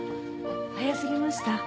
早すぎました？